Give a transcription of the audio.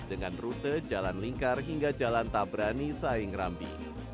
dengan rute jalan lingkar hingga jalan tabrani saing rambi